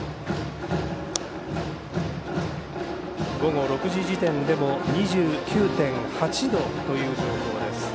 午後６時時点でも２９．８度という情報です。